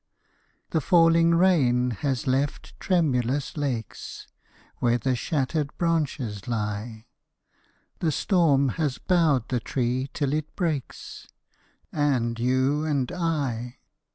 The falling rain has left tremulous lakes Where the shattered branches lie; The storm has bowed the tree till it breaks, And you and I!